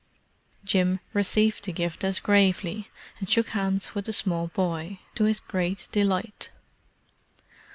Jim received the gift as gravely, and shook hands with the small boy, to his great delight.